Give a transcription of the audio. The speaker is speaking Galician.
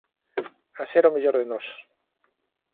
A ser o mellor de nós.